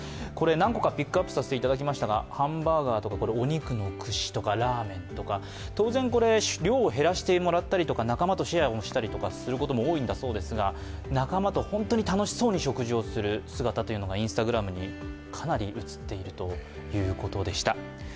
何個かピックアップさせていただきましたがハンバーガーとかお肉の串とかラーメンとか、当然量を減らしてもらったりとか仲間とシェアをしたりすることも多いそうですが仲間と本当に楽しそうに食事をする姿というのがかなりＩｎｓｔａｇｒａｍにかなり写っているということでした。